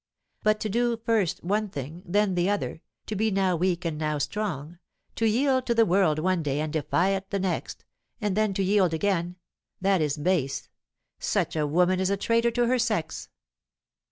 But to do first one thing, then the other, to be now weak and now strong, to yield to the world one day and defy it the next, and then to yield again, that is base. Such a woman is a traitor to her sex."